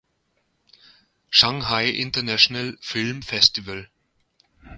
Shanghai International Film Festival